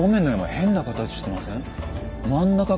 変な形してません？